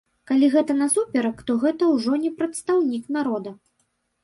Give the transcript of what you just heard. Калі гэта насуперак, то гэта ўжо не прадстаўнік народа.